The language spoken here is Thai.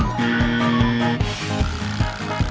ฮิลลี่